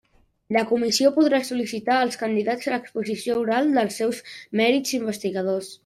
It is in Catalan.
La Comissió podrà sol·licitar als candidats l'exposició oral dels seus mèrits investigadors.